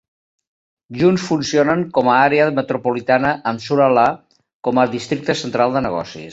Junts funcionen com a àrea metropolitana amb Surallah com a districte central de negocis.